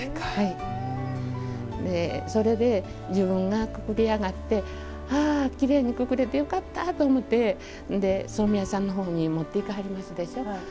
それで、自分がくくり上がってきれいに、くくれてよかったと思って染屋さんの方に持っていくでしょ。